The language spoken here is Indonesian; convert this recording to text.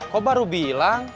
kok baru bilang